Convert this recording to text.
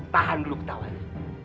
tahan dulu ketawanya